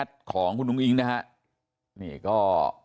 ขอบคุณเลยนะฮะคุณแพทองธานิปรบมือขอบคุณเลยนะฮะ